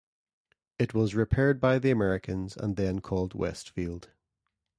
It was repaired by the Americans, and then called West Field.